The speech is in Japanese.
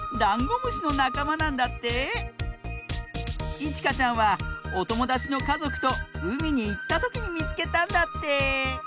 いちかちゃんはおともだちのかぞくとうみにいったときにみつけたんだって！